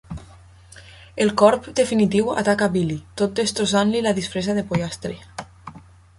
El corb definitiu ataca Billy, tot destrossant-li la disfressa de pollastre.